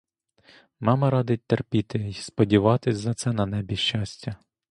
Мама радить терпіти й сподіватись за це на небі щастя.